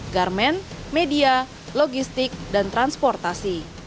garmen media logistik dan transportasi